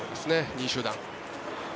２位集団。